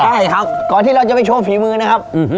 ใช่ครับก่อนที่เราจะไปโชว์ฝีมือนะครับ